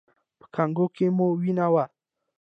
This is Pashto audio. په کانګو کې مو وینه وه؟